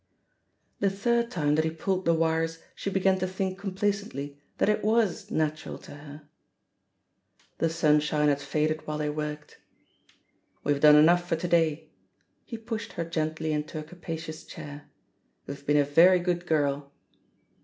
The third time that he pulled the wires she began to think complacently that it was natural to her. The sunshine had faded while they worked. "We've done enough for to day." He pushed her gently into a capacious chair. " YouVe been a very good girl."